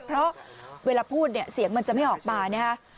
เพราะเวลาพูดเนี่ยเสียงมันจะไม่ออกมานะฮะ